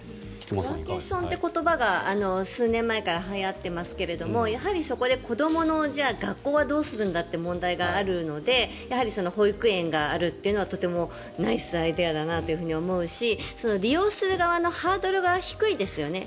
ワーケーションという言葉が数年前からはやってますけどやはり、そこで子どもの学校はどうするんだって問題があるのでやはり保育園があるのはとてもナイスアイデアだなと思うし利用する側のハードルが低いですよね。